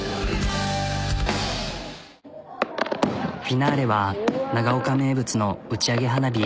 フィナーレは長岡名物の打ち上げ花火。